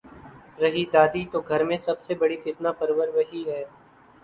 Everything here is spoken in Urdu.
رہی دادی تو گھر میں سب سے بڑی فتنہ پرور وہی ہے۔